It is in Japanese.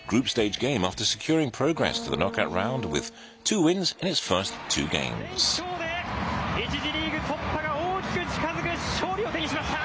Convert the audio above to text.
なでしこジャパン、連勝で、１次リーグ突破が大きく近づく勝利を手にしました。